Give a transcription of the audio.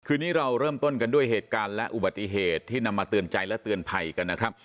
นี้เราเริ่มต้นกันด้วยเหตุการณ์และอุบัติเหตุที่นำมาเตือนใจและเตือนภัยกันนะครับ